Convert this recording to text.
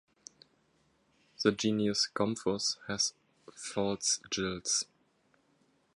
The genus "Gomphus" also has false gills.